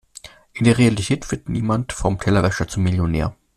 In der Realität wird niemand vom Tellerwäscher zum Millionär.